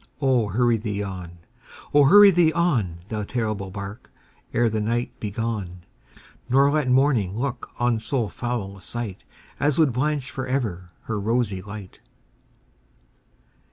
Oh! hurry thee on,—oh! hurry thee on, Thou terrible bark, ere the night be gone, Nor let morning look on so foul a sightAs would blanch forever her rosy light!